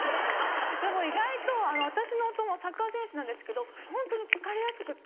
でも意外と私の夫もサッカー選手なんですけどホントに疲れやすくて。